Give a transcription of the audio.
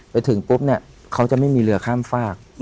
ไปถึงปุ๊บเนี่ยเขาจะไม่มีเรือข้ามฝาก